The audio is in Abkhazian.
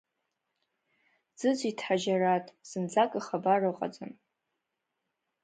Дыӡит Ҳаџьараҭ, зынӡак ихабар ыҟаӡам.